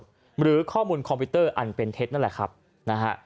หรือข้อมูลคอมพิวเตอร์อันเป็นเท็จนั่นแหละครับนะฮะ